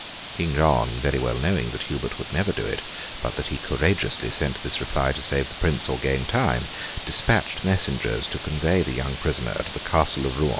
King John very well knowing that Hubert would never do it, but that he courageously sent this reply to save the Prince or gain time, despatched messengers to convey the young prisoner to the castle of Rouen.